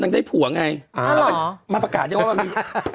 นั่งได้ผัวไงอ่ามาประกาศเลยว่ามันมี